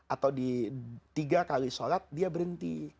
atau di tiga kali sholat dia berhenti